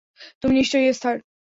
তুমি নিশ্চয়ই এস্থার।